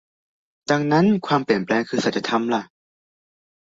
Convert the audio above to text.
ดังนั้นความเปลี่ยนแปลงคือสัจธรรมล่ะ